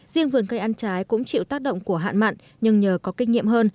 riêng vườn cây ăn trái cũng chịu tác động của hạn mặn nhưng nhờ có kinh nghiệm hơn